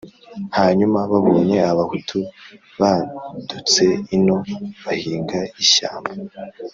hanyuma babonye abahutu badutse ino bahinga ishyamba,